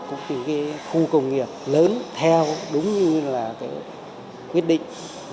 tùy khu công nghiệp lớn theo đúng như là quyết định một nghìn sáu trăm bốn mươi ba